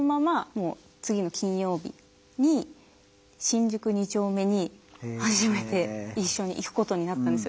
もう次の金曜日に新宿二丁目に初めて一緒に行くことになったんですよ。